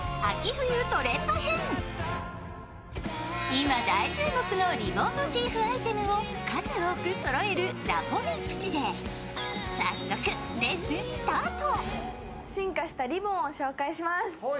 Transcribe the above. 今大注目のリボンモチーフアイテムを数多くそろえるＬＡＰＯＭＭＥｐｅｔｉｔで早速レッスンスタート。